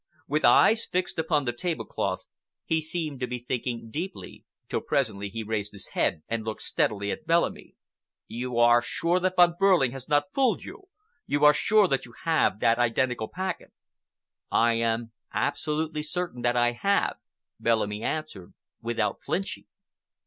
With eyes fixed upon the tablecloth, he seemed to be thinking deeply, till presently he raised his head and looked steadily at Bellamy. "You are sure that Von Behrling has not fooled you? You are sure that you have that identical packet?" "I am absolutely certain that I have," Bellamy answered, without flinching.